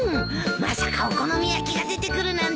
まさかお好み焼きが出てくるなんて。